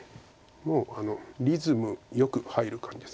もうリズムよく入る感じです。